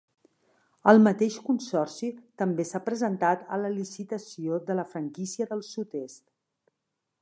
El mateix consorci també s'ha presentat a la licitació de la franquícia del sud-est.